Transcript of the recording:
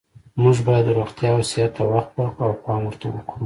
موږ باید روغتیا او صحت ته وخت ورکړو او پام ورته کړو